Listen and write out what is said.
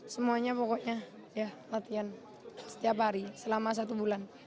semuanya pokoknya ya latihan setiap hari selama satu bulan